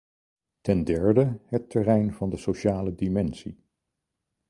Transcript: Ten derde, het terrein van de sociale dimensie.